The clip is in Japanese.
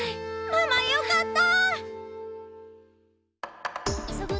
ママよかった！